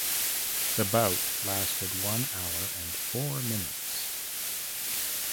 The bout lasted one hour and four minutes.